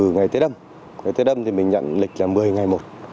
ngày tết âm thì mình nhận lịch là một mươi ngày một